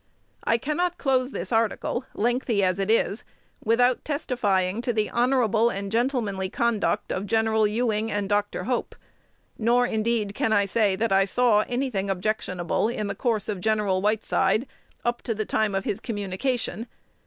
I cannot close this article, lengthy as it is, without testifying to the honorable and gentlemanly conduct of Gen. Ewing and Dr. Hope, nor indeed can I say that I saw any thing objectionable in the course of Gen. Whiteside up to the time of his communication.